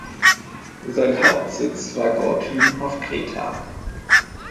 Sein Hauptsitz war Gortyn auf Kreta.